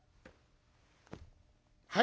「はい？」。